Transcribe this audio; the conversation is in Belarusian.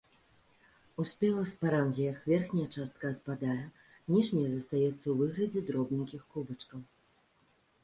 У спелых спарангіях верхняя частка адпадае, ніжняя застаецца ў выглядзе дробненькіх кубачкаў.